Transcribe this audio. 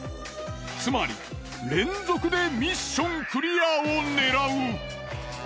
つまり連続でミッションクリアを狙う。